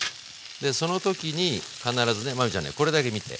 その時に必ずね真海ちゃんねこれだけ見て。